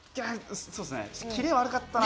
キレ悪かったな。